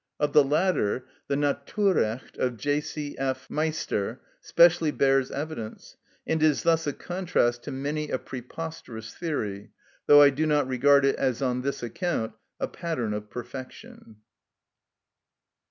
Of the latter, the "Naturrecht" of J. C. F. Meister specially bears evidence, and is thus a contrast to many a preposterous theory, though I do not regard it as on this account a pattern of perfection.